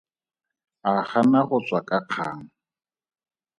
A gana go tswa ka kgang.